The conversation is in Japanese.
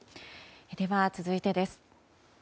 では、続いてです。